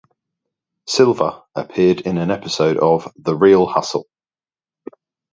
Silva appeared in an episode of "The Real Hustle".